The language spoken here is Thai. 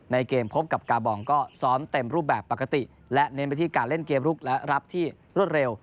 ในเกมพบกับกาบองก็ซ้อมเต็มรูปแบบปกติและเน้นไปที่การเล่นเกมลุกและรับที่รวดเร็ว